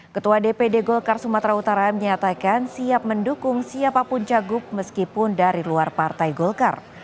ketua dpd golkar sumatera utara menyatakan siap mendukung siapapun cagup meskipun dari luar partai golkar